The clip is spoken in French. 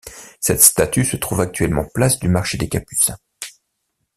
Cette statue se trouve actuellement place du Marché des Capucins.